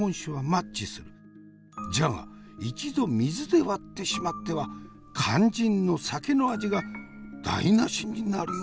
じゃが一度水で割ってしまっては肝心の酒の味が台なしになりおろう。